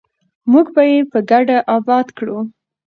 موږ به یې په ګډه اباد کړو.